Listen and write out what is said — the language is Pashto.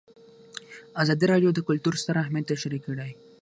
ازادي راډیو د کلتور ستر اهميت تشریح کړی.